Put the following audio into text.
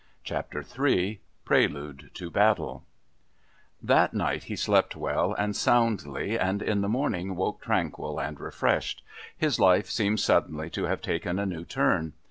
Chapter III Prelude to Battle That night he slept well and soundly, and in the morning woke tranquil and refreshed. His life seemed suddenly to have taken a new turn.